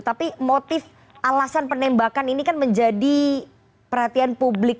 tapi motif alasan penembakan ini kan menjadi perhatian publik